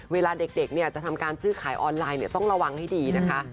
เวลาเด็กจะทำการซื้อขายออนไลน์ต้องระวังให้ดีนะคะ